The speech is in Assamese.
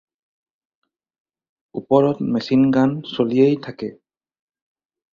ওপৰত মেচিন-গান চলিয়েই থাকে।